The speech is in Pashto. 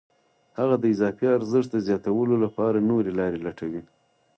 هغه د اضافي ارزښت د زیاتولو لپاره نورې لارې لټوي